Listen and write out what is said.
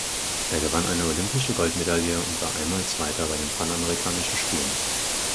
Er gewann eine olympische Goldmedaille und war einmal Zweiter bei den Panamerikanischen Spielen.